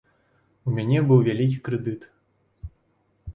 У мяне быў вялікі крэдыт.